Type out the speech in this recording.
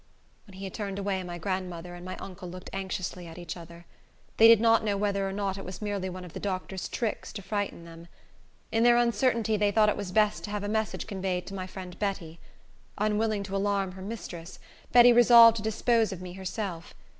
When he had turned away, my grandmother and my uncle looked anxiously at each other. They did not know whether or not it was merely one of the doctor's tricks to frighten them. In their uncertainty, they thought it was best to have a message conveyed to my friend Betty. Unwilling to alarm her mistress, Betty resolved to dispose of me herself.